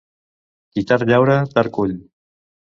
Qui tard llaura, tard cull.